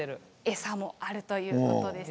餌もあるということでした。